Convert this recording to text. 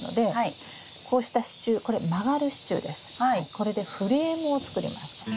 これでフレームを作ります。